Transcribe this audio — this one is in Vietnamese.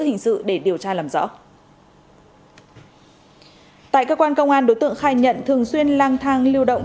hình sự để điều tra làm rõ tại cơ quan công an đối tượng khai nhận thường xuyên lang thang lưu động